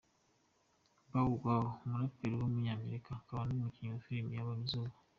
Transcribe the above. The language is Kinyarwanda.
Bow Wow, umuraperi w’umunyamerika akaba n’umukinnyi wa filime yabonye izuba.